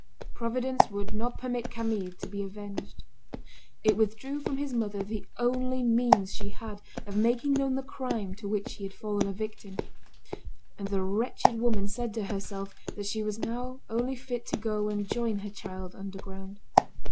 Providence would not permit Camille to be avenged. It withdrew from his mother the only means she had of making known the crime to which he had fallen a victim. And the wretched woman said to herself that she was now only fit to go and join her child underground.